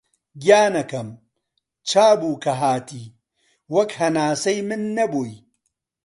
گیانەکەم! چابوو کە هاتی، وەک هەناسەی من نەبووی